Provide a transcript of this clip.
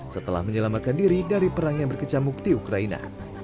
setelah menyelamatkan diri dari perang yang berkecamuk di ukraina